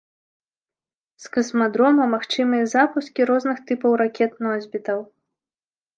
З касмадрома магчымыя запускі розных тыпаў ракет-носьбітаў.